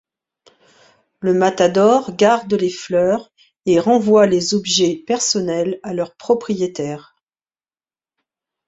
Le matador garde les fleurs et renvoie les objets personnels à leur propriétaire.